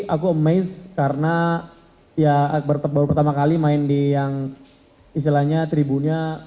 aku amaze karena baru pertama kali main di tribunya